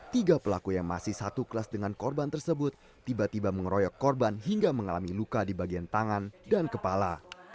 tiga pelaku yang masih satu kelas dengan korban tersebut tiba tiba mengeroyok korban hingga mengalami luka di bagian tangan dan kepala